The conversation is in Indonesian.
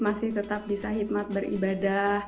masih tetap bisa hikmat beribadah